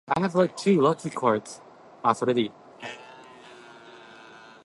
With concentrated efforts in several countries, including Russia.